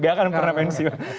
gak akan pernah pensiun